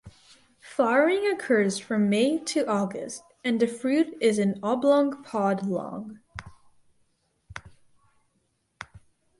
Flowering occurs from May to August and the fruit is an oblong pod long.